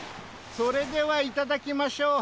それではいただきましょう。